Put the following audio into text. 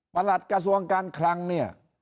ประหลัดกระทรวงการคลาย